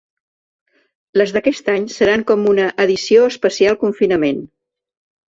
Les d’aquest any seran com una ‘edició especial confinament’.